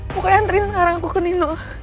pokoknya antri sekarang aku ke nino